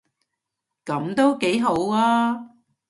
噉都幾好吖